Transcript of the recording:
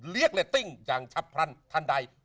เรียกและติ้งอย่างชับพรรณทันใด